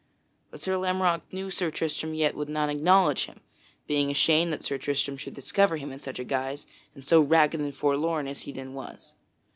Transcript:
But Sir Lamorack knew Sir Tristram yet would not acknowledge him, being ashamed that Sir Tristram should discover him in such a guise and so ragged and forlorn as he then was.